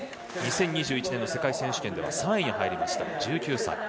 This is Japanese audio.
２０２１年の世界選手権では３位に入りました、１９歳。